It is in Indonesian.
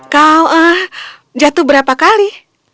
kau jatuh berapa kali